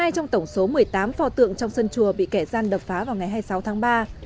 một mươi trong tổng số một mươi tám pho tượng trong sân chùa bị kẻ gian đập phá vào ngày hai mươi sáu tháng ba